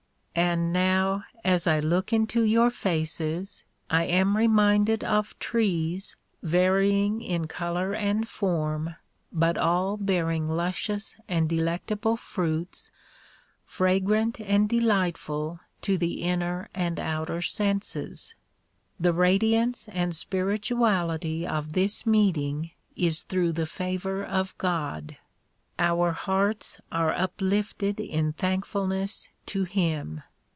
And now as I look into your faces I am reminded of trees vary^ ing in color and form but all bearing luscious and delectable fruits, fragrant and delightful to the inner and outer senses. The rad iance and spirituality of this meeting is through the favor of God. Our hearts are uplifted in thankfulness to him.